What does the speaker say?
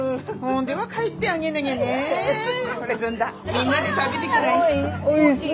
みんなで食べてけらい。